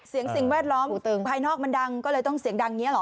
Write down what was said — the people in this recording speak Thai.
เสียงแวดล้อมภายนอกมันดังก็เลยต้องเสียงดังยังเงี้ยหรอ